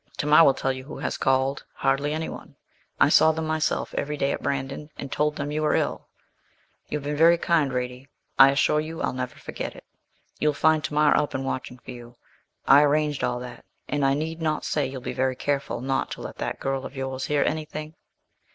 Tamar will tell you who has called hardly anyone I saw them myself every day at Brandon, and told them you were ill. You've been very kind, Radie; I assure you I'll never forget it. You'll find Tamar up and watching for you I arranged all that; and I need not say you'll be very careful not to let that girl of yours hear anything.